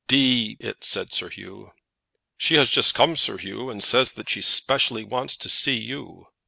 "D it!" said Sir Hugh. "She has just come, Sir Hugh, and says that she specially wants to see you."